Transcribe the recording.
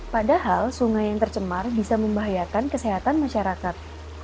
padahal sungai yang tercemar bisa membahayakan kesehatan masyarakat